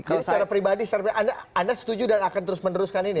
jadi secara pribadi secara pribadi anda setuju dan akan terus meneruskan ini